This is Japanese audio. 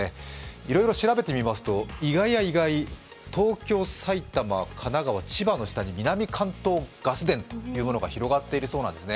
いろいろ調べてみますと意外や意外、東京、埼玉、神奈川、千葉の下に南関東ガス田というものが広がっているそうなんですね。